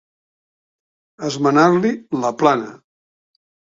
Esmenar-li la plana.